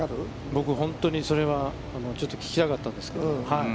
僕、本当にそれはちょっと聞きたかったんですけど。